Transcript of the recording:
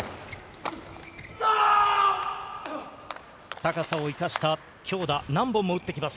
高さを生かした強打、何本も打ってきます。